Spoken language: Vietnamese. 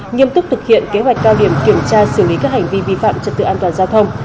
nghiêm túc thực hiện kế hoạch cao điểm kiểm tra xử lý các hành vi vi phạm trật tự an toàn giao thông